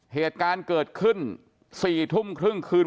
เหตุการณ์เกิดขึ้น๔ทุ่มครึ่งคืน